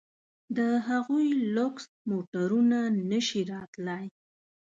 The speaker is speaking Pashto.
د هغوی لوکس موټرونه نه شي راتلای.